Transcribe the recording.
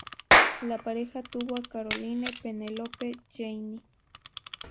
La pareja tuvo a Caroline Penelope-Jane.